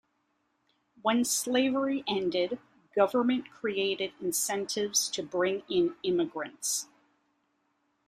When slavery ended, government created incentives to bring in immigrants.